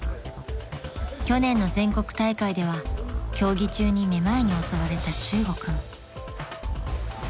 ［去年の全国大会では競技中に目まいに襲われた修悟君］